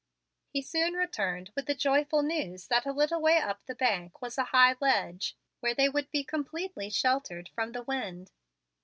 He soon returned with the joyful news that a little way up the bank was a high ledge, where they would be completely sheltered from the wind.